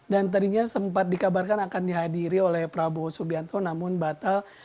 dan tadinya sempat dikabarkan akan dihadiri oleh prabowo subianto namun batal